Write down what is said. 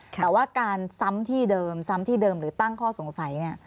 แต่ว่าการซ้ำที่เดิมซ้ำที่เดิมหรือตั้งข้อสงสัยเนี่ย